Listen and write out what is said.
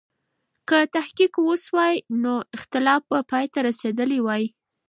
که تحقیق و سوای، نو اختلاف به پای ته رسېدلی وای.